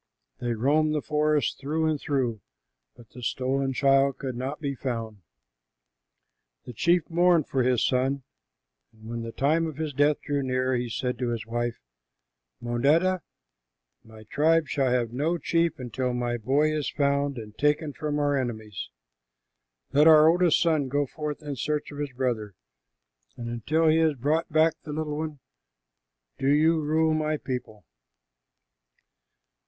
They roamed the forest through and through, but the stolen child could not be found. The chief mourned for his son, and when the time of his death drew near, he said to his wife, "Moneta, my tribe shall have no chief until my boy is found and taken from our enemies. Let our oldest son go forth in search of his brother, and until he has brought back the little one, do you rule my people."